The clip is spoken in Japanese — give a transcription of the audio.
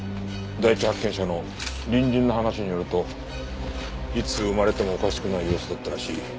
第一発見者の隣人の話によるといつ生まれてもおかしくない様子だったらしい。